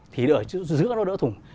thì ở giữa nó đỡ thùng